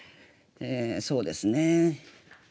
そうですね。